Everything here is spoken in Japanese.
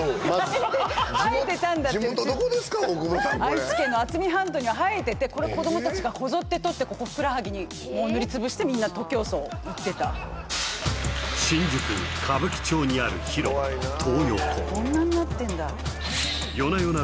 愛知県の渥美半島には生えててこれ子ども達がこぞって取ってここふくらはぎに塗りつぶしてみんな徒競走いってた新宿・歌舞伎町にある広場トー横夜な夜な